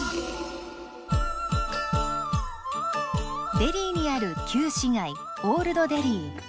デリーにある旧市街オールドデリー。